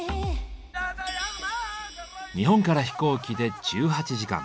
日本から飛行機で１８時間。